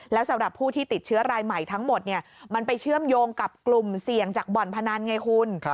แล้วสำหรับผู้ที่ติดเชื้อรายใหม่ทั้งหมดมันไปเชื่อมโยงกับกลุ่มเสี่ยงจากบ่อนพนันไงคุณ